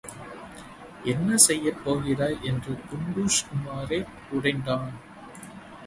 என்ன செய்யப் போகிறாய்? என்று டுன்டுஷ் உமாரைக் குடைந்தான்.